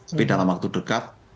tapi dalam waktu dekat